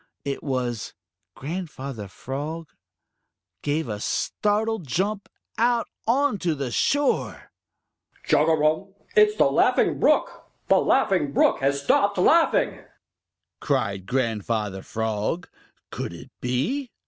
It was Grand father Frog gave a startled jump out on to the shore. "Chugarum! It's the Laughing Brook! The Laughing Brook has stopped laughing!" cried Grandfather Frog. Could it be?